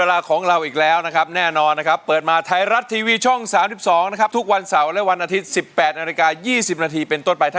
ลูกทุ่งสู้ชีวิต